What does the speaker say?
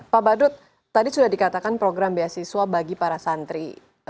pak badut tadi sudah dikatakan program beasiswa bagi para santri